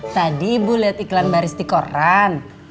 tadi ibu liat iklan baris di koran